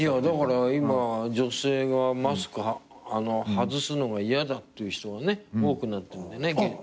だから今女性がマスク外すのが嫌だっていう人がね多くなってるんだよね